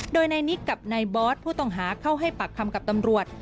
โดยนายนิกกับนายบอสผู้ต้องหาเข้าให้ปากคำกับตำรวจ